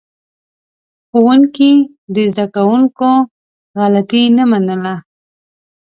ښوونکي د زده کوونکو غلطي نه منله.